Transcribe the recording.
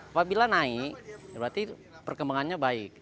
apabila naik berarti perkembangannya baik